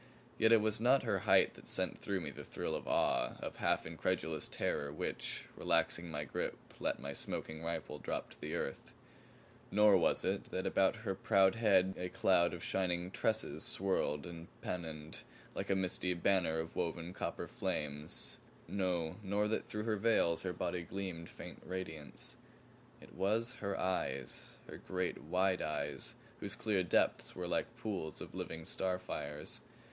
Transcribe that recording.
Yet it was not her height that sent through me the thrill of awe, of half incredulous terror which, relaxing my grip, let my smoking rifle drop to earth; nor was it that about her proud head a cloud of shining tresses swirled and pennoned like a misty banner of woven copper flames no, nor that through her veils her body gleamed faint radiance. It was her eyes her great, wide eyes whose clear depths were like pools of living star fires.